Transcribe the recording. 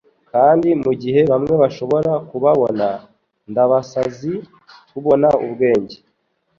kandi mugihe bamwe bashobora kubabona nkabasazi, tubona ubwenge…